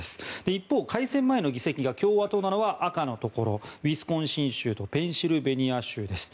一方、改選前の議席が共和党なのは赤のところ、ウィスコンシン州とペンシルベニア州です。